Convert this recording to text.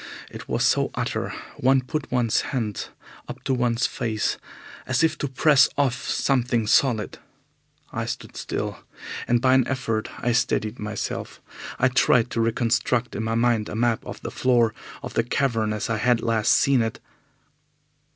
It was so utter one put one's hand up to one's face as if to press off something solid. I stood still, and by an effort I steadied myself. I tried to reconstruct in my mind a map of the floor of the cavern as I had last seen it.